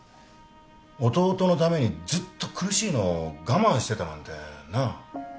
弟のためにずっと苦しいのを我慢してたなんてな。